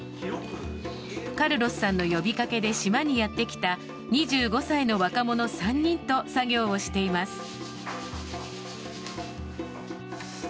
カルロスさんの呼びかけで島にやってきた２５歳の若者３人と作業をしています。